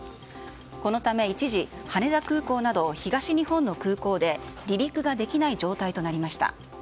このため一時、羽田空港など東日本の空港で離陸ができない状態となりました。